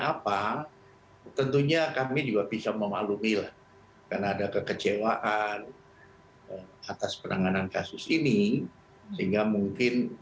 apa tentunya kami juga bisa memaklumi lah karena ada kekecewaan atas penanganan kasus ini sehingga mungkin